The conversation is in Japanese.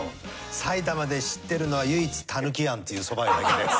さいたまで知ってるのは唯一たぬき庵っていうそば屋だけです。